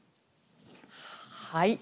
はい。